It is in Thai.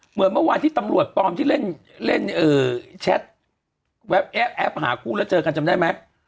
เหมือนเมื่อวานที่ตำรวจปลอมที่เล่นแชทแอปหาคู่แล้วเจอกันจำได้ไหม